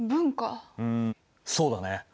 うんそうだね。